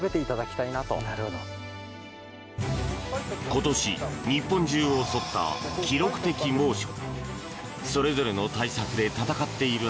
今年、日本中を襲った記録的猛暑。